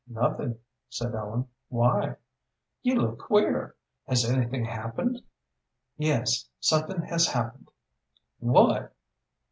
"Nothing," said Ellen. "Why?" "You look queer. Has anything happened?" "Yes, something has happened." "What?"